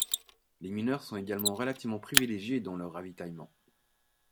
Les mineurs sont également relativement privilégiés dans le ravitaillement.